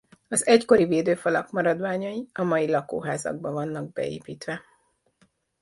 Az egykori védőfalak maradványai a mai lakóházakba vannak beépítve.